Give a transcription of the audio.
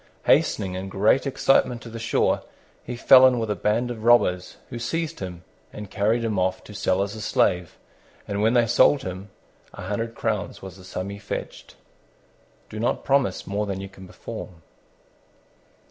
Hastening in great excitement to the shore, he fell in with a band of robbers, who seized him and carried him off to sell as a slave: and when they sold him a hundred crowns was the sum he fetched. Do not promise more than you can perform.